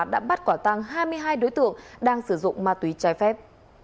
đã bắt quả tăng hai mươi hai đối tượng đang sử dụng ma túy trái phép